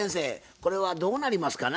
これはどうなりますかな？